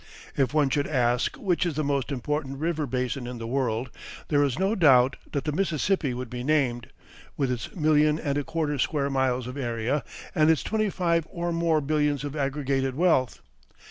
If one should ask which is the most important river basin in the world, there is no doubt that the Mississippi would be named, with its million and a quarter square miles of area and its twenty five or more billions of aggregated wealth.